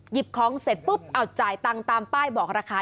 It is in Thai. ของเสร็จปุ๊บเอาจ่ายตังค์ตามป้ายบอกราคา